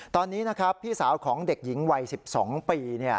ตอนนี้นะครับพี่สาวของเด็กหญิงวัย๑๒ปี